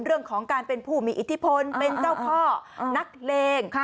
เรื่องของการเป็นผู้มีอิทธิพลเป็นเจ้าพ่อนักเลง